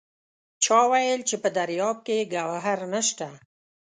چا وایل چې په دریاب کې ګوهر نشته!